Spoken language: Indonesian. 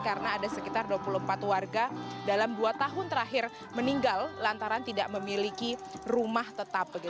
karena ada sekitar dua puluh empat warga dalam dua tahun terakhir meninggal lantaran tidak memiliki rumah tetap